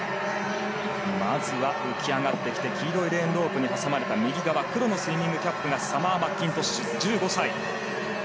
まずは浮き上がってきて黄色いレーンロープに挟まれた黒のスイミングキャップがサマー・マッキントッシュ１５歳。